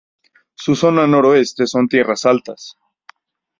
Su zona noroeste son tierras altas.